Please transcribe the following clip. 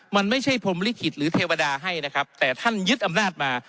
มันไม่ใช่พรมลิขิตหรือเทวดาให้นะครับแต่ท่านยึดอำนาจมา